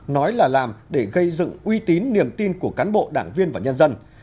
nói là làm để gây dựng uy tín niềm tin của cán bộ đảng viên và nhân dân